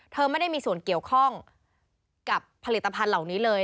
ไม่ได้มีส่วนเกี่ยวข้องกับผลิตภัณฑ์เหล่านี้เลย